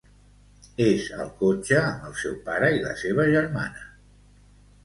És al cotxe amb el seu pare i la seva germana.